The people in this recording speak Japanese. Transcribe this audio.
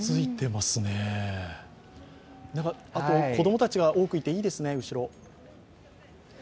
子供たちが多くいて、いいですね、後ろ。